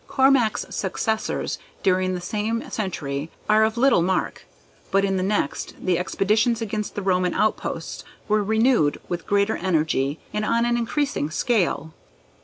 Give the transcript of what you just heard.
Cormac's successors during the same century are of little mark, but in the next the expeditions against the Roman outposts were renewed with greater energy and on an increasing scale.